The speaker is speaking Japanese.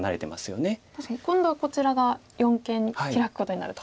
確かに今度はこちらが四間ヒラくことになると。